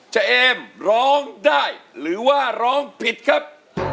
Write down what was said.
เอมร้องได้หรือว่าร้องผิดครับ